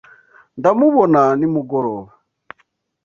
Ndamubona nimugoroba.